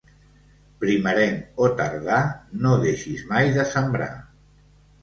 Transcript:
Primerenc o tardà, no deixis mai de sembrar.